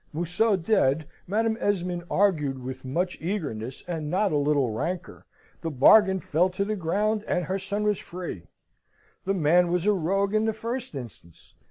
Museau dead, Madam Esmond argued with much eagerness, and not a little rancour, the bargain fell to the ground, and her son was free. The man was a rogue in the first instance.